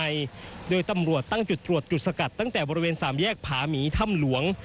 ในโดยตำรวจตั้งจุดตรวจจุดสกัดตั้งแต่บริเวณสามแยกผาหมีถ้ำหลวง